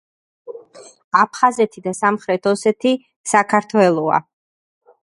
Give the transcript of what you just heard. აფხაზეთი და სამხრეთ ოსეთ საქართველოა!